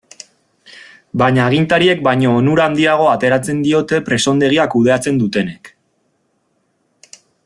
Baina agintariek baino onura handiagoa ateratzen diote presondegia kudeatzen dutenek.